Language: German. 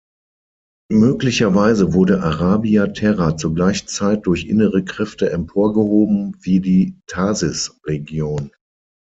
Möglicherweise wurde Arabia Terra zur gleichen Zeit durch innere Kräfte emporgehoben, wie die Tharsis-Region.